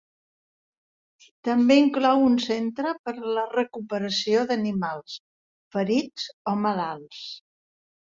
També inclou un centre per la recuperació d'animals ferits o malalts.